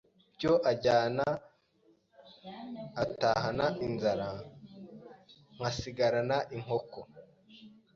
byo ajyana agatahana inzara nkasigarana inkoko